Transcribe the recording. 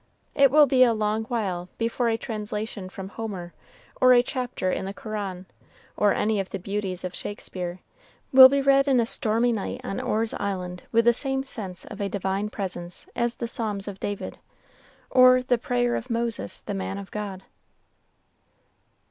It will be a long while before a translation from Homer or a chapter in the Koran, or any of the beauties of Shakespeare, will be read in a stormy night on Orr's Island with the same sense of a Divine presence as the Psalms of David, or the prayer of Moses, the man of God.